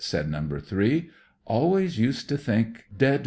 said number tbjee. "Always used to think dead 1.